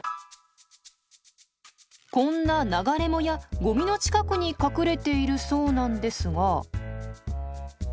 こんな流れ藻やゴミの近くに隠れているそうなんですが。